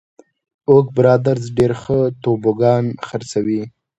اوک برادرز ډېر ښه توبوګان خرڅوي.